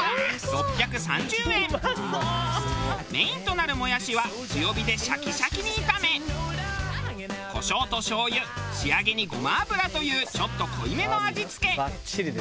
メインとなるもやしは強火でシャキシャキに炒めコショウとしょうゆ仕上げにごま油というちょっと濃いめの味付け。